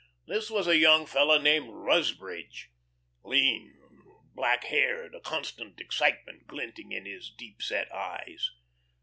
This was a young fellow named Rusbridge, lean, black haired, a constant excitement glinting in his deep set eyes.